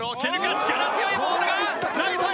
力強いボールがライトへ！